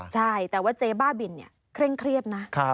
ใช่แต่ว่าเจ๊บ้าบินเนี่ยเคร่งเครียดนะ